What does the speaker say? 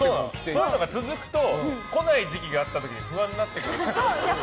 そういうの続くと来ない時期があった時に不安になってくる。